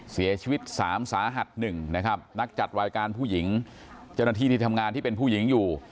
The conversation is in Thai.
เสียชีวิต๓สาหัส๑นะครับนักจัดรายการผู้หญิงเจ้าหน้าที่ที่ทำงานที่เป็นผู้หญิงอยู่